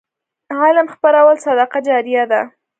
علم خپرول صدقه جاریه ده.